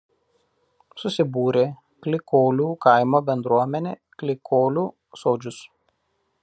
Susibūrė Klykolių kaimo bendruomenė „Klykolių sodžius“.